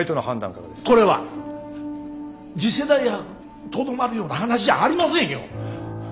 これは次世代博にとどまるような話じゃありませんよ！